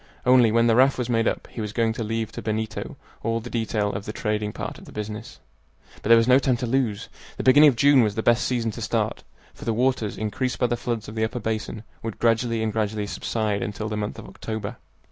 Only, when the raft was made up, he was going to leave to Benito all the detail of the trading part of the business. But there was no time to lose. The beginning of June was the best season to start, for the waters, increased by the floods of the upper basin, would gradually and gradually subside until the month of October.